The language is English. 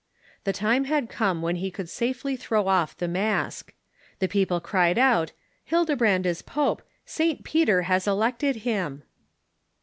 The time had come when he could safely throw off the mask. The people cried out :" Hildebrand is pope ; St. Peter has elected him